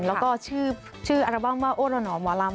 แล้วก็ชื่ออาร์บัมว่าโอระหนอมวารำ